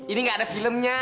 ini gak ada filmnya